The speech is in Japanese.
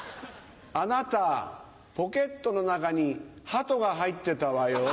あなたポケットの中にハトが入ってたわよ。